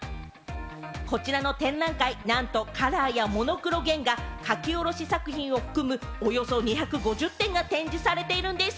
こちらの展覧会、何とカラーやモノクロ原画、描き下ろし作品を含む、およそ２５０点が展示されているんです！